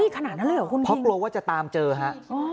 ขนาดนั้นเลยเหรอคุณพ่อเพราะกลัวว่าจะตามเจอฮะ